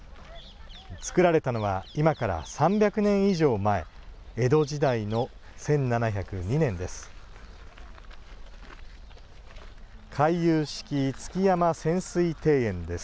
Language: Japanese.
作られたのは今から３００年以上前江戸時代の１７０２年です。